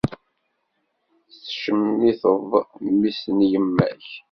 Tettcemmiteḍ mmi-s n yemma-k.